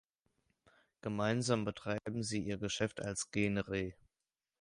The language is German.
Gemeinsam betreiben sie ihr Geschäft als Gen Re.